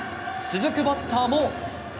続くバッターも。